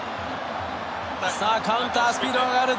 さあカウンタースピードが上がる。